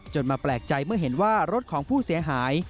มาแปลกใจเมื่อเห็นว่ารถของผู้เสียหาย